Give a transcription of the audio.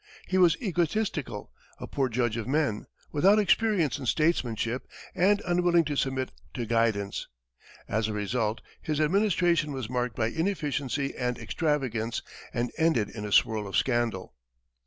He was egotistical, a poor judge of men, without experience in statesmanship, and unwilling to submit to guidance. As a result, his administration was marked by inefficiency and extravagance, and ended in a swirl of scandal.